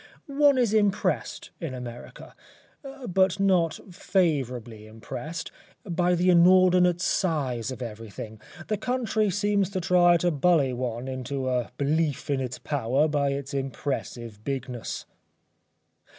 One is impressed in America, but not favourably impressed, by the inordinate size of everything. The country seems to try to bully one into a belief in its power by its impressive bigness.